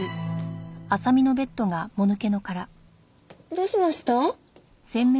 どうしました？